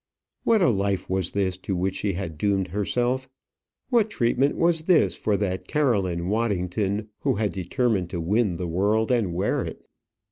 What a life was this to which she had doomed herself! what treatment was this for that Caroline Waddington, who had determined to win the world and wear it!